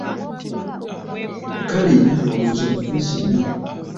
Kale ye alowooza mugezi nnyo!